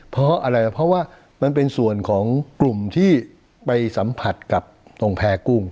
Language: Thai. เพราะอะไรเพราะว่ามันเป็นส่วนของกลุ่มที่ไปสัมผัสกับตรงแพร่กุ้ง